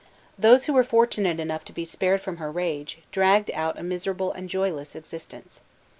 Those who were fortunate enough to be spared from her rage, dragged out a miserable and joyless existence.